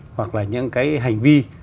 hoặc là những cái hành vi